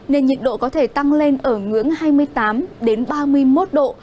nên nhiệt độ có thể tăng lên ở ngưỡng hai mươi tám ba mươi một độ